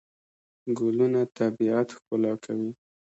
ګلونه طبیعت ښکلا کوي.